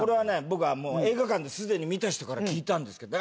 僕はもう映画館ですでに見た人から聞いたんですけど。